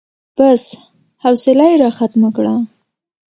بس، حوصله يې راختمه کړه.